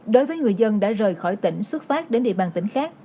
đối với người dân đã rời khỏi tỉnh xuất phát đến địa bàn tỉnh khác